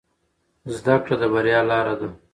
زده کړه د بریا لاره ده